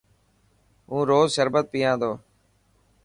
هون روز شربت پيان ٿو.